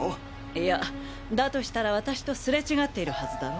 いやだとしたら私とすれ違っているはずだろ？